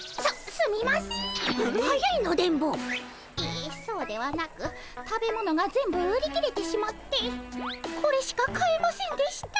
ええそうではなく食べ物が全部売り切れてしまってこれしか買えませんでした。